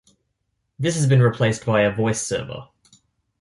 This has been replaced by a voice server.